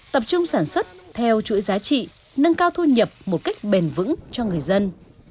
tập trung sản xuất theo chuỗi giá trị nâng cao thu nhập một cách bền vững cho người dân